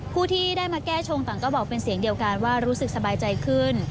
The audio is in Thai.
ผู้ที่ได้มาแก้ชงต่างก็บอกเป็นเสียงเดียวกันว่ารู้สึกสบายใจขึ้น